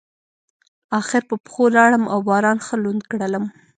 اخر په پښو لاړم او باران ښه لوند کړلم.